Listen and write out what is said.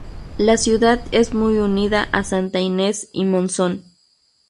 La ciudad es muy unida a Santa Inês y Monzón.